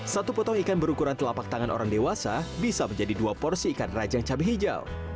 satu potong ikan berukuran telapak tangan orang dewasa bisa menjadi dua porsi ikan rajang cabai hijau